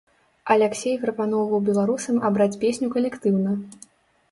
Аляксей прапаноўваў беларусам абраць песню калектыўна.